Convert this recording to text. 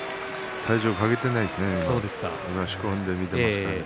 体重をかけていないですね。